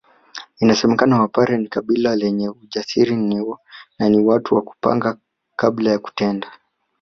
Inasemekana Wapare ni kabila lenye ujasiri na ni watu wa kupanga kabla ya kutenda